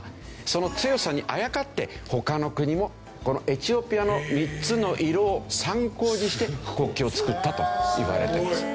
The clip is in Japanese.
その強さにあやかって他の国もこのエチオピアの３つの色を参考にして国旗を作ったといわれてますよね。